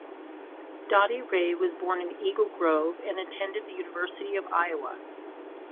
Dottie Ray was born in Eagle Grove and attended the University of Iowa.